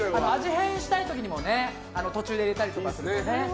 変したい時にも途中で入れたりとかね。